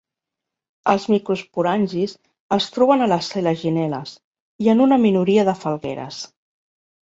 Els microsporangis es troben a les selaginel·les i en una minoria de falgueres.